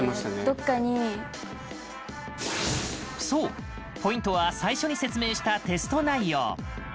どっかにそう、ポイントは最初に説明したテスト内容。